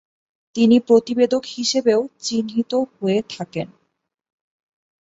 তিনি প্রতিবেদক হিসেবেও চিহ্নিত হয়ে থাকেন।